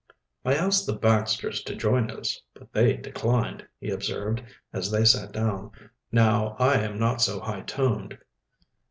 "I asked the Baxters to join us, but they declined," he observed, as they sat down. "Now I am not so high toned."